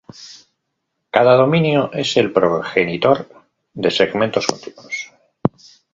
Cada dominio es el progenitor de segmentos continuos.